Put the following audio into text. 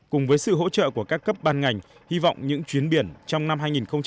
cùng với sự hỗ trợ của các cấp ban ngành hy vọng những chuyến biển trong năm hai nghìn hai mươi